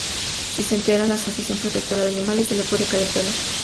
Si se entera la Asociación Protectora de Animales, se le puede caer el pelo.